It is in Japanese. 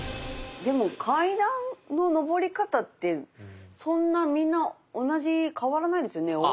でも階段の上り方ってそんなみんな変わらないですよね？